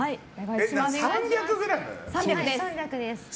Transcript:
３００です。